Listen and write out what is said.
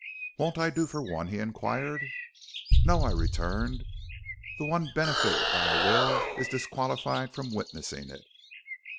"'Won't I do for one?' he inquired. "'No,' I returned; 'the one benefited by a will is disqualified from witnessing it.'